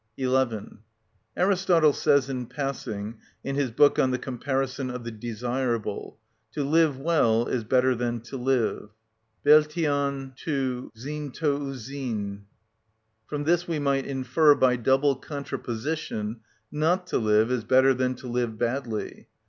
11. Aristotle says in passing, in his book on the comparison of the desirable, "To live well is better than to live" (βελτιον του ζῃν το ευ ζῃν, Top. iii. 2). From this we might infer, by double contraposition, not to live is better than to live badly.